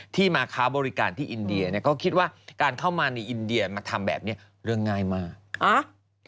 ที่มาค้าบริการที่อินเดียเนี่ยก็คิดว่าการเข้ามาในอินเดียมาทำแบบนี้เรื่องง่ายมาก